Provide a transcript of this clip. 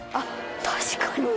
確かに。